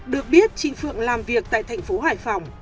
được biết chị phượng làm việc tại thành phố hải phòng